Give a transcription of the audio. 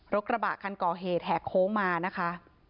กระบะคันก่อเหตุแหกโค้งมานะคะ